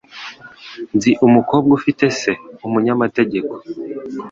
Nzi umukobwa ufite se umunyamategeko.